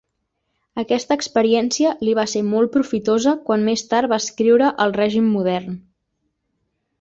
Aquesta experiència li va ser molt profitosa quan més tard va escriure el règim modern.